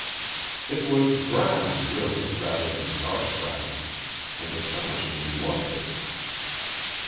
It was brown, really, rather than dark brown. And astonishingly lustrous.